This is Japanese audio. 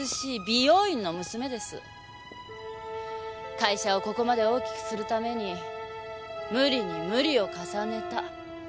会社をここまで大きくするために無理に無理を重ねた。